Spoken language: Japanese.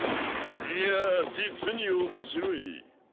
いや実に面白い。